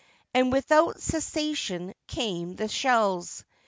And without cessation came the shells.